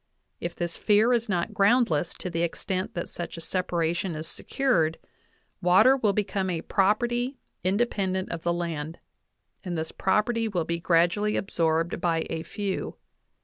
If this fear is not groundless to the extent that such a separation is secured, water will be come a property independent of the land, and this property will be gradually absorbed by a few.